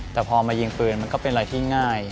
แต่พอมายิงปืนมันก็เป็นอะไรที่ง่าย